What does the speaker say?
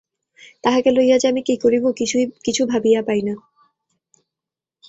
তাহাকে লইয়া যে আমি কি করিব কিছু ভাবিয়া পাই না!